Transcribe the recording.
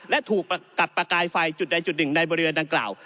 และถูกกัดประกายไฟจุดใดจุดหนึ่งในบริเวณดังกล่าว